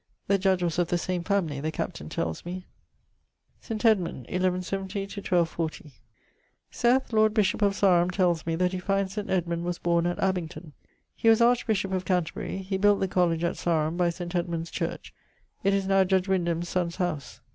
The judge was of the same family, the captain tells me. =St. Edmund= (1170? 1240). Seth, lord bishop of Sarum, tells me that he finds Saint Edmund was borne at Abington. He was archbishop of Canterbury. He built the college at Sarum, by St. Edmund's Church: it is now Judge Wyndham's sonne's howse.